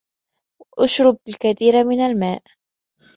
اشرب الكثير من الماء